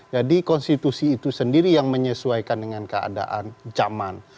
jadi konstitusi itu sendiri yang menyesuaikan dengan keadaan zaman